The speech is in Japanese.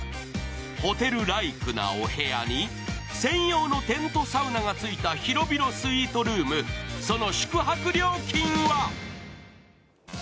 ホテルライクなやお部屋に専用のテントサウナが付いた広々スイートルーム、その宿泊料金は？